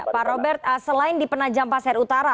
pak robert selain di penajam pasir utara